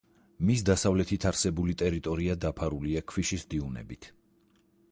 მის დასავლეთით არსებული ტერიტორია დაფარულია ქვიშის დიუნებით.